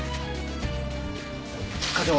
課長。